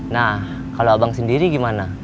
nah kalau abang sendiri gimana